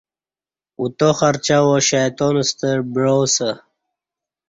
اوتہ خرچہ وا شیطان ستہ بعا اسہ